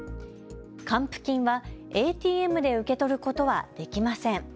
還付金はＡＴＭで受け取ることはできません。